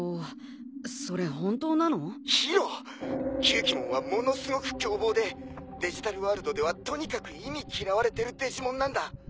ギュウキモンはものすごく凶暴でデジタルワールドではとにかく忌み嫌われてるデジモンなんだ！